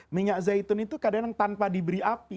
minyak zaitun itu kadang kadang tanpa diberi api